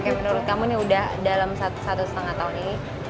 kayak menurut kamu nih udah dalam satu setengah tahun ini